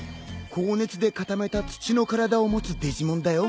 高熱で固めた土の体を持つデジモンだよ。